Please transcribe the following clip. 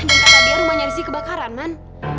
dan kata dia rumahnya rizky kebakaran man